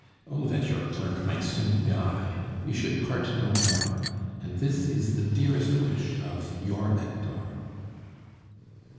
Oh that your clerk might soon die! We should part no more. And this is the dearest wish of "YOUR HECTOR."